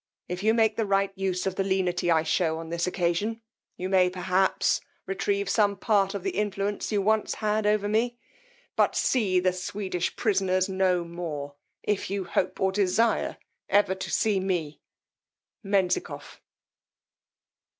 If you make a right use of the lenity I shew on this occasion, you may perhaps retrieve some part of the influence you once had over me; but see the Swedish prisoners no more, if you hope or desire ever to see MENZIKOFF."